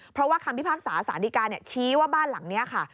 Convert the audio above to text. เพราะว่าคำพิพากษาสารดีการชี้ว่าบ้านหลังนี้ค่ะ